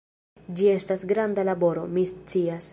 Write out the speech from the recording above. Estas granda laboro, mi scias.